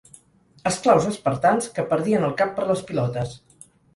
Esclaus espartans que perdien el cap per les pilotes.